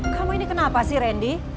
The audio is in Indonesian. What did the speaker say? kamu ini kenapa sih randy